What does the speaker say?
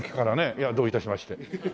いやどういたしまして。